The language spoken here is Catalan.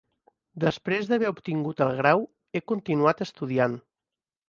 Després d'haver obtingut el grau, he continuat estudiant.